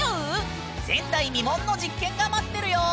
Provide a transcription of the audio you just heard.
前代未聞の実験が待ってるよ！